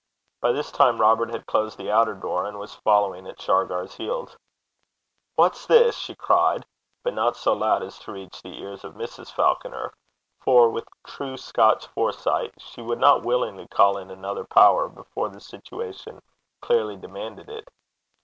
By this time Robert had closed the outer door, and was following at Shargar's heels. 'What's this?' she cried, but not so loud as to reach the ears of Mrs. Falconer; for, with true Scotch foresight, she would not willingly call in another power before the situation clearly demanded it.